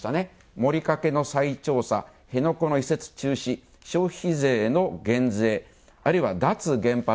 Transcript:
モリカケの再調査、辺野古の移設中止、消費税の減税あるいは、脱原発。